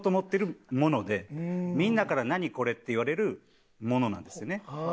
みんなから「何？これ」って言われるものなんですよね。